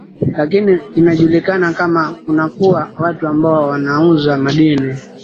lakini imejulikana kama kunakuwa watu ambao wanauza madini